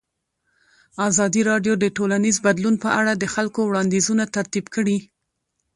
ازادي راډیو د ټولنیز بدلون په اړه د خلکو وړاندیزونه ترتیب کړي.